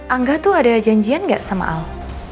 angga tuh ada janjian gak sama al